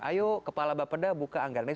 ayo kepala bapeda buka anggarannya